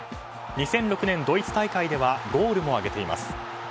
２００６年ドイツ大会ではゴールも挙げています。